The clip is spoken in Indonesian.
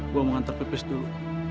gua mau ngantar pipis dulu